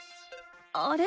あれ？